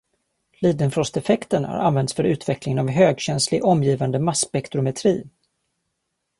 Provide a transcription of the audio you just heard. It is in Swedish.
Leidenfrosteffekten har använts för utvecklingen av högkänslig omgivande masspektrometri.